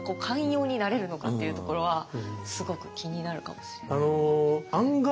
寛容になれるのかっていうところはすごく気になるかもしれない。